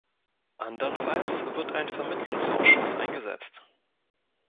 Andernfalls wird ein Vermittlungsausschuss eingesetzt.